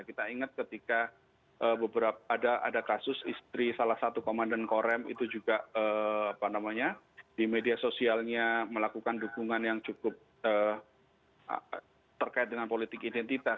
kita ingat ketika ada kasus istri salah satu komandan korem itu juga di media sosialnya melakukan dukungan yang cukup terkait dengan politik identitas